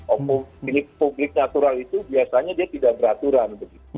opung publik natural itu biasanya dia tidak beraturan